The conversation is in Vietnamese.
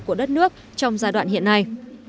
của đất nước trong giai đoạn hiện nay